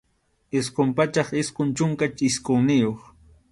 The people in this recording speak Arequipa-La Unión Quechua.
Isqun pachak isqun chunka isqunniyuq.